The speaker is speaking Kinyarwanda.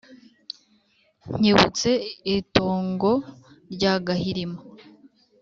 nkebutse itongo rya gahirima